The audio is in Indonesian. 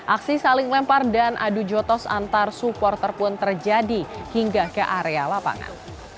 aksi saling lempar dan adu jotos antar supporter pun terjadi hingga ke area lapangan